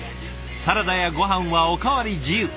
サラダやごはんはお代わり自由。